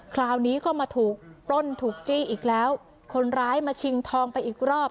คราวนี้ก็มาถูกปล้นถูกจี้อีกแล้วคนร้ายมาชิงทองไปอีกรอบ